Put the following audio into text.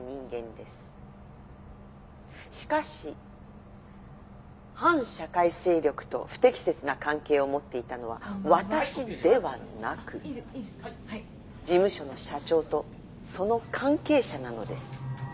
しかし反社会勢力と不適切な関係を持っていたのは私ではなく事務所の社長とその関係者なのです。